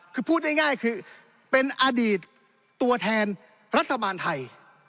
คือพูดง่ายคือเป็นอดีตตัวแทนรัฐบาลไทย